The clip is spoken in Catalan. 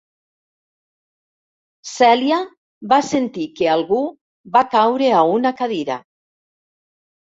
Celia va sentir que algú va caure a una cadira.